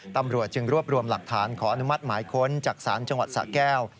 ตำรวจจึงรวบรวมหลักฐานขออนุมัติหมายค้นจากศาลจังหวัดสะแก้ว